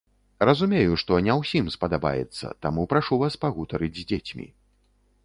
Разумею, што не ўсім спадабаецца, таму прашу вас пагутарыць з дзецьмі.